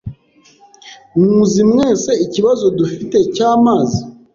Muzi mwese ikibazo dufite cy’amazi.